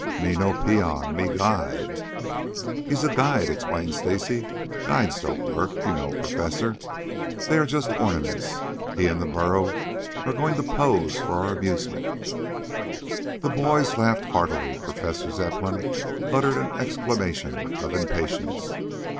"Me no peon. Me guide." "He's a guide," explained Stacy. "Guides don't work, you know, Professor. They are just ornaments. He and the burro are going to pose for our amusement." The boys laughed heartily. Professor Zepplin uttered an exclamation of impatience.